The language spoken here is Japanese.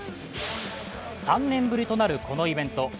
３年ぶりとなるこのイベント。